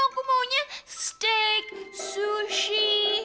aku maunya steak sushi